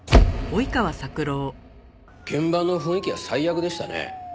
現場の雰囲気は最悪でしたね。